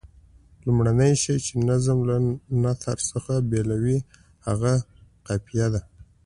لومړنی شی چې نظم له نثر څخه بېلوي هغه قافیه ده.